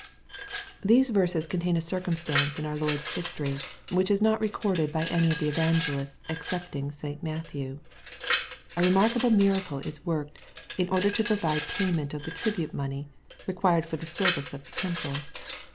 These verses contain a circumstance in our Lord's history, which is not recorded by any of the evangelists excepting St. Matthew. A remarkable miracle is worked in order to provide payment of the tribute money, required for the service of the temple.